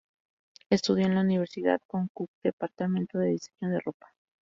Estudió en la Universidad Konkuk-Departamento de diseño de ropa.